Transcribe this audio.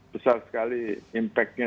besar sekali impact nya